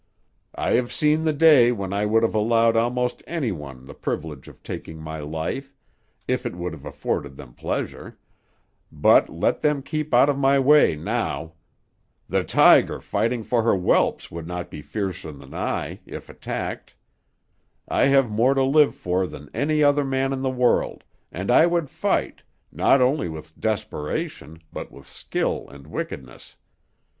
"I have seen the day when I would have allowed almost any one the privilege of taking my life, if it would have afforded them pleasure, but let them keep out of my way now! The tiger fighting for her whelps would not be fiercer than I, if attacked. I have more to live for than any other man in the world, and I would fight, not only with desperation, but with skill and wickedness.